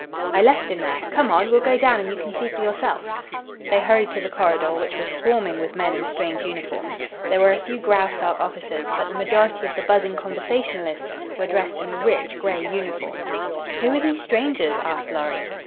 "I left him there. Come on! We'll go down and you can see for yourself." They hurried to the corridor, which was swarming with men in strange uniforms. There were a few Graustark officers, but the majority of the buzzing conversationalists were dressed in a rich gray uniform. "Who are these strangers?" asked Lorry.